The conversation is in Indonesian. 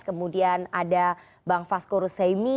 kemudian ada bang fasko ruseimi